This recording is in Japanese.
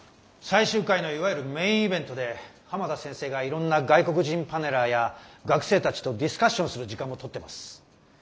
最終回のいわゆるメインイベントで浜田先生がいろんな外国人パネラーや学生たちとディスカッションする時間もとってます。